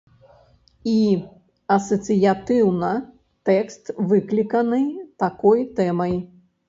І асацыятыўна тэкст выкліканы такой тэмай.